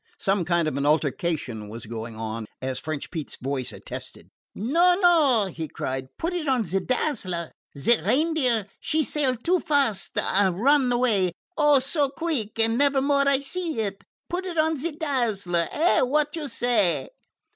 Some kind of an altercation was going on, as French Pete's voice attested. "No, no!" he cried. "Put it on ze Dazzler. Ze Reindeer she sail too fast a, and run away, oh, so queeck, and never more I see it. Put it on ze Dazzler. Eh? Wot you say?"